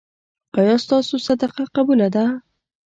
ایا ستاسو صدقه قبوله ده؟